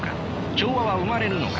調和は生まれるのか。